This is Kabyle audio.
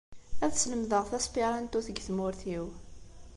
Ad slemdeɣ tasperantut deg tmurt-iw.